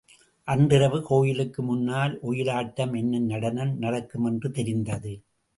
அன்றிரவு கோயிலுக்கு முன்னால் ஒயிலாட்டம் என்னும் நடனம் நடக்குமென்று தெரிந்தது.